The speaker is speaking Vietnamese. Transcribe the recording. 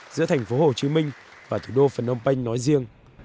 giữa tp hcm và thủ đô phần âu bênh nói riêng